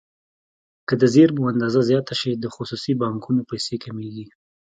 که د زېرمو اندازه زیاته شي د خصوصي بانکونو پیسې کمیږي.